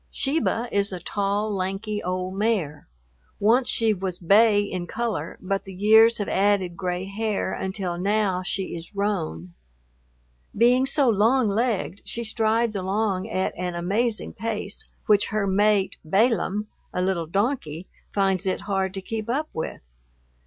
Sheba is a tall, lanky old mare. Once she was bay in color, but the years have added gray hair until now she is roan. Being so long legged she strides along at an amazing pace which her mate, Balaam, a little donkey, finds it hard to keep up with.